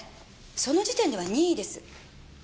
その時点では任意です。